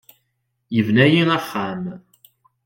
Yebna-iyi axxam.